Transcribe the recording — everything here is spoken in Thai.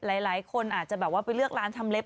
หลายคนอาจจะไปเลือกร้านทำเล็บ